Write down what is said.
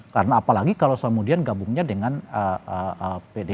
karena apalagi kalau selamanya gabungnya dengan pdp perjuangan